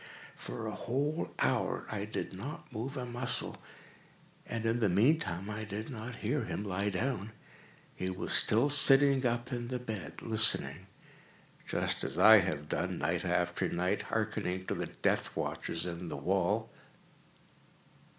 For a whole hour I did not move a muscle, and in the meantime I did not hear him lie down. He was still sitting up in the bed listening;—just as I have done, night after night, hearkening to the death watches in the wall.